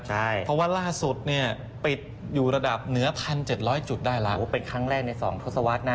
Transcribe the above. เพราะว่าล่าสุดเนี่ยปิดอยู่ระดับเหนือ๑๗๐๐จุดได้แล้วเป็นครั้งแรกใน๒ทศวรรษนะ